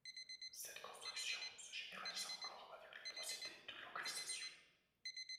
Cette construction se généralise encore avec le procédé de localisation.